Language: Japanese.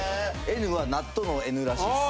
Ｎは納豆のＮらしいです。